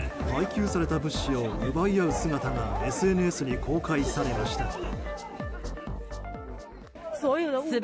配給された物資を奪い合う姿がＳＮＳに公開されました。